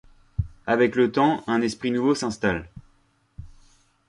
Avec le temps, un esprit nouveau s'installe.